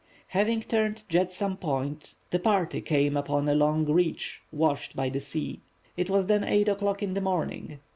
Having turned Jetsam Point the party came upon a long reach washed by the sea. It was then 8 o'clock in the morning.